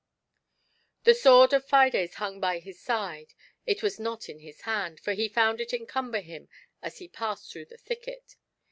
The sword of Fides hung by his side— it was not in his hand, for he found it encumber him as he passed . through the thicket.